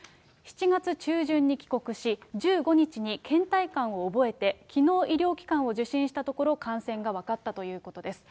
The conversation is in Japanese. ７月中旬に帰国し、１５日にけん怠感をおぼえて、きのう医療機関を受診したところ、感染が分かったということです。